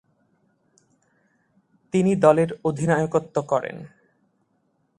তিনি দলের অধিনায়কত্ব করেন।